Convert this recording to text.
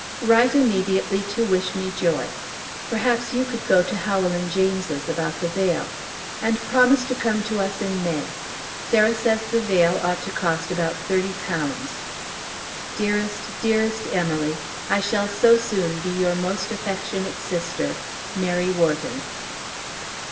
Write immediately to wish me joy. Perhaps you could go to Howell and James's about the veil. And promise to come to us in May. Sarah says the veil ought to cost about thirty pounds. Dearest, dearest Emily, I shall so soon be your most affectionate sister, MARY WHARTON.